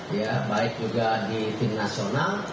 ya baik juga di tim nasional